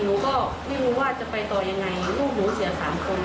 หนูก็ไม่รู้ว่าจะไปต่อยังไงลูกหนูเสียสามคน